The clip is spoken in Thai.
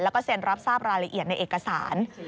แล้วก็เซ็นรับทราบรายละเอียดในเอกสาร